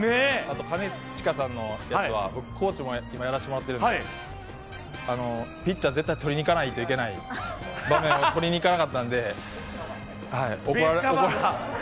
兼近さんのやつは、コーチもやらせてもらってるんでピッチャー、絶対にとりにいかないといけない場面をとりにいかなかったので、怒られる。